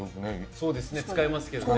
そうですね使いますけどね